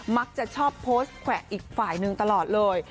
มักจะชอบโพสต์แขวะอีกฝ่ายหนึ่งตลอดเลย